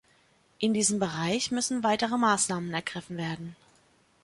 In diesem Bereich müssen weitere Maßnahmen ergriffen werden.